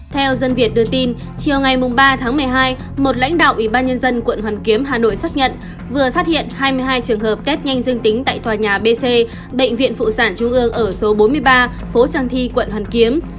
theo dân việt đưa tin chiều ngày ba tháng một mươi hai một lãnh đạo ủy ban nhân dân quận hoàn kiếm hà nội xác nhận vừa phát hiện hai mươi hai trường hợp test nhanh dương tính tại tòa nhà b c bệnh viện phụ sản trung ương ở số bốn mươi ba phố trang thi quận hoàn kiếm